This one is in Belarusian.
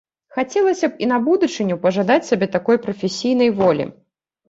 Хацелася б і на будучыню пажадаць сабе такой прафесійнай волі.